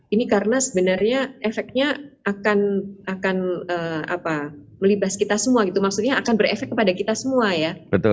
ini karena sebenarnya efeknya akan melibas kita semua gitu maksudnya akan berefek kepada kita semua ya